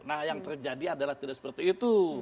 nah yang terjadi adalah tidak seperti itu